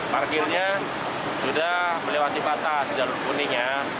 parkirnya sudah melewati patah sejaruh kuningnya